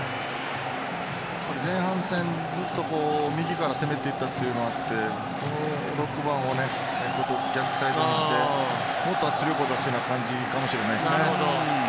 前半戦ずっと右から攻めていたのもあって６番を逆サイドにしてもっと圧力を出す感じかもしれませんね。